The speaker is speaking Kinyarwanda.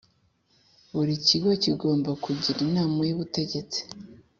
Buri Kigo kigomba kugira inama y’ubutegetsi